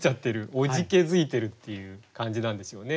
おじけづいてるっていう感じなんでしょうね。